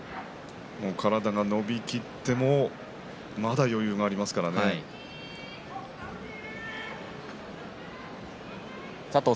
体が伸びていってもまだ余裕がありますからね北青鵬。